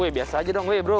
wih biasa aja dong bro